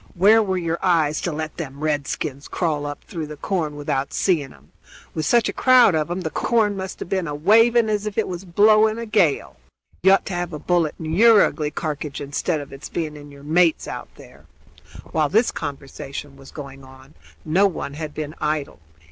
"Where were your eyes to let them redskins crawl up through the corn without seeing 'em? With such a crowd of 'em the corn must have been a waving as if it was blowing a gale. You ought to have a bullet in yer ugly carkidge, instead of its being in yer mate's out there." While this conversation was going on no one had been idle.